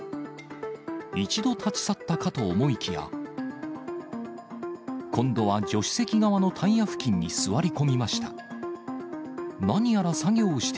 一度立ち去ったかと思いきや、今度は助手席側のタイヤ付近に座り込みました。